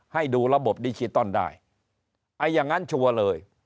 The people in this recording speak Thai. ให้ดูระบบดิจิตอลได้ไอ้อย่างนั้นชัวร์เลย